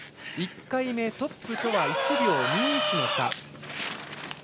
１回目、トップとは１秒２１の差。